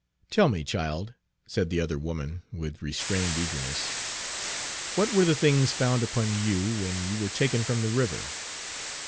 "Tell me, child," said the other woman, with restrained eagerness, "what were the things found upon you when you were taken from the river?"